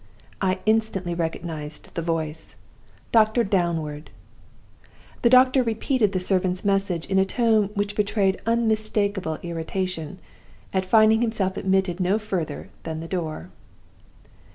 "I instantly recognized the voice. Doctor Downward! "The doctor repeated the servant's message in a tone which betrayed unmistakable irritation at finding himself admitted no further than the door.